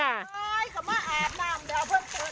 มาอาบน้ำเดี๋ยวเพื่อน